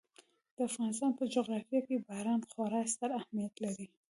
د افغانستان په جغرافیه کې باران خورا ستر اهمیت لري.